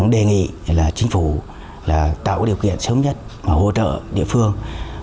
đề nghị chính phủ tạo điều kiện sớm nhất hỗ trợ địa phương